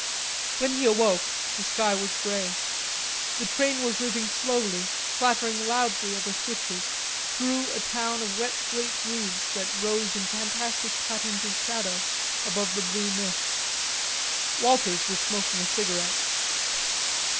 When he awoke the sky was grey. The train was moving slowly, clattering loudly over switches, through a town of wet slate roofs that rose in fantastic patterns of shadow above the blue mist. Walters was smoking a cigarette.